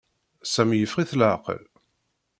Sami yeffeɣ-it leɛqel.